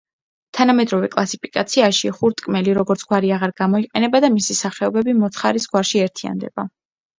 თანამედროვე კლასიფიკაციაში ხურტკმელი, როგორც გვარი აღარ გამოიყენება და მისი სახეობები მოცხარის გვარში ერთიანდება.